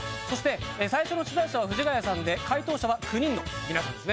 最初の出演者は藤ヶ谷さんで解答者は９人です。